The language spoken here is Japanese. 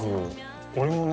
俺もね